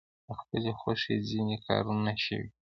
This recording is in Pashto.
د خپلې خوښې ځینې کارونه شوي.